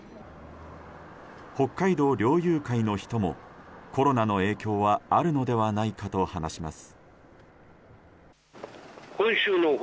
北海道猟友会の人もコロナの影響はあるのではないかと話します。